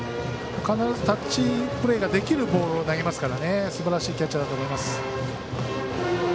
必ずタッチプレーができるボールを投げますからねすばらしいキャッチャーだと思います。